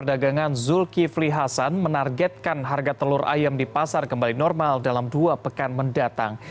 perdagangan zulkifli hasan menargetkan harga telur ayam di pasar kembali normal dalam dua pekan mendatang